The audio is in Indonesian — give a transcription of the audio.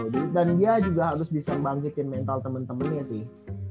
dan dia juga harus bisa bangkitin mental temen temennya sih